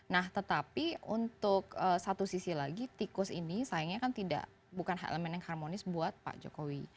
nah tetapi untuk satu sisi lagi tikus ini sayangnya kan tidak bukan elemen yang harmonis buat pak jokowi